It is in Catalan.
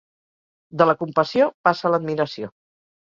De la compassió passa a l'admiració.